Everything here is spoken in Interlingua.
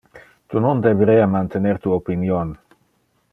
Tu non deberea mantener tu opinion.